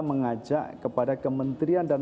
mengajak kepada kementerian dan